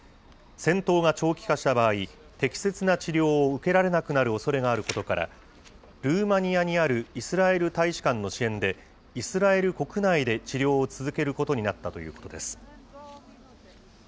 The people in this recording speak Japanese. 戦闘が長期化した場合、適切な治療を受けられなくなるおそれがあることから、ルーマニアにあるイスラエル大使館の支援で、イスラエル国内で治療を続けることになったということです。